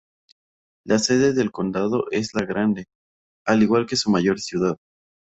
La sede del condado es La Grande, al igual que su mayor ciudad.